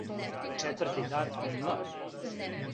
Четврти дан м.